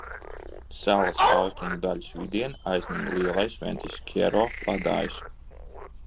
Salas austrumu daļas vidieni aizņem Lielais Ventiskjero ledājs.